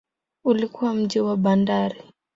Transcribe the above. Ulikuwa mji wa bandari.